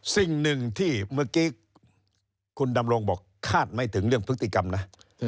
สิ่งหนึ่งที่เมื่อกี้คุณดำรงบอกคาดไม่ถึงเรื่องพฤติกรรมนะ